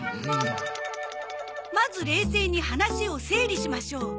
まず冷静に話を整理しましょう。